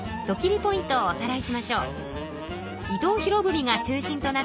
ポイントをおさらいしましょう。